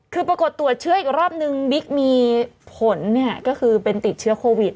คือปรากฏตรวจเชื้ออีกรอบนึงบิ๊กมีผลเนี่ยก็คือเป็นติดเชื้อโควิด